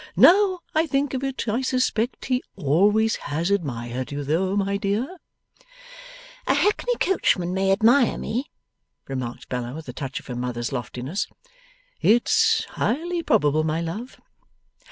Now I think of it, I suspect he always has admired you though, my dear.' 'A hackney coachman may admire me,' remarked Bella, with a touch of her mother's loftiness. 'It's highly probable, my love.